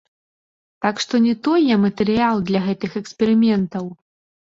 Так што не той я матэрыял для гэтых эксперыментаў.